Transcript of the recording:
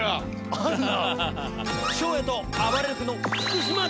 あるな。